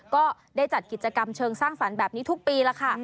ก็ได้จัดกิจกรรมเชิงสร้างสรรค์แบบนี้ทุกปีแล้วค่ะ